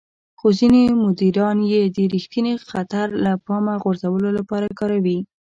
خو ځينې مديران يې د رېښتيني خطر له پامه غورځولو لپاره کاروي.